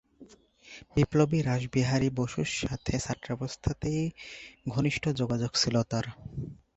বিপ্লবী রাসবিহারী বসুর সাথে ছাত্রাবস্থাতেই ঘনিষ্ঠ যোগাযোগ ছিল তার।